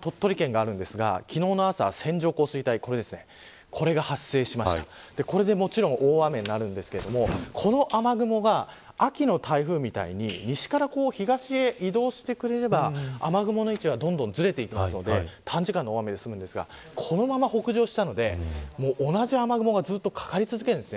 鳥取県があるのですが、昨日の朝線状降水帯が発生しこれで大雨になるのですがこの雨雲が秋の台風みたいに西から東へ移動してくれれば雨雲の位置がずれていきますので短時間の大雨で済むのですがこのまま北上するので同じ雨雲がかかり続けます。